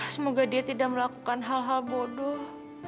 semoga dia tidak melakukan hal hal bodoh